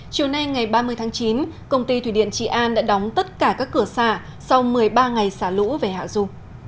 chiều nay ngày ba mươi tháng chín công ty thủy điện trị an đã đóng tất cả các cửa xả sau một mươi ba ngày xả lũ về hạ du